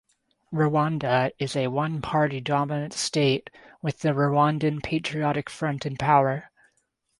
Rwanda is a one-party-dominant state with the Rwandan Patriotic Front in power.